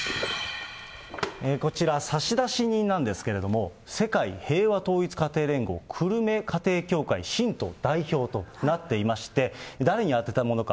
こちら、差出人なんですけれども、世界平和統一家庭連合久留米家庭教会信徒代表となっていまして、誰に宛てたものか。